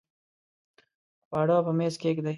خواړه په میز کښېږدئ